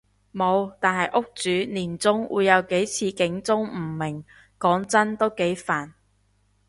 無，但係屋主年中會有幾次警鐘誤鳴，講真都幾煩